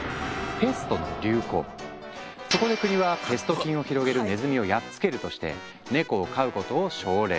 そこで国はペスト菌を広げるネズミをやっつけるとしてネコを飼うことを奨励。